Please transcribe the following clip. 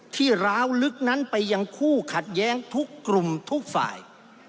ร้าวลึกนั้นไปยังคู่ขัดแย้งทุกกลุ่มทุกฝ่าย